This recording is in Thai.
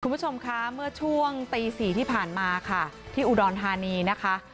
คุณผู้ชมคะเมื่อช่วงตีสี่ที่ผ่านมาค่ะที่อุดรธานีนะคะ